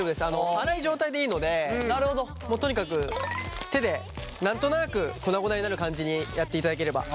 粗い状態でいいのでもうとにかく手で何となく粉々になる感じにやっていただければ。